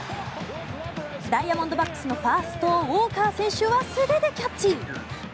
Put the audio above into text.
ダイヤモンドバックスのファースト、ウォーカー選手は素手でキャッチ。